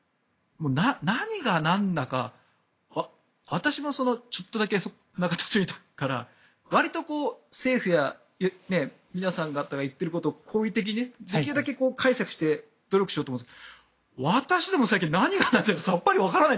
何がなんだか私もちょっとだけ永田町にいたからわりと政府や皆さん方が言っていることを好意的にできるだけ解釈して努力しようと思うんですが私でも最近何が何だかわからない。